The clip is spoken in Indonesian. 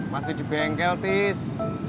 masih di bengkel tis